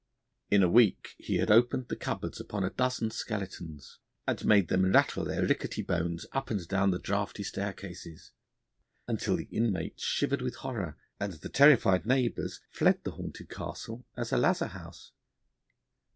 In a week he had opened the cupboards upon a dozen skeletons, and made them rattle their rickety bones up and down the draughty staircases, until the inmates shivered with horror and the terrified neighbours fled the haunted castle as a lazar house.